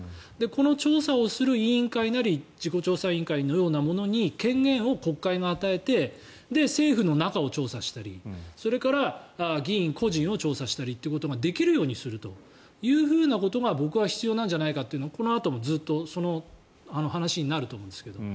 この調査をする委員会なり事故調査委員会のようなものに権限を国会が与えて政府の中を調査したりそれから、議員個人を調査したりってことができるようにするというふうなことが僕は必要なんじゃないかなというのが、このあともその話になると思いますけど。